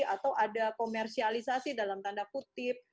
atau ada komersialisasi dalam tanda kutip